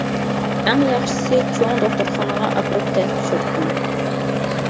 ئەڭ ياخشىسى چوڭ دوختۇرخانىغا ئاپىرىپ تەكشۈرتۈڭ.